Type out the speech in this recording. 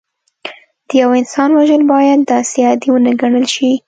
د یو انسان وژل باید داسې عادي ونه ګڼل شي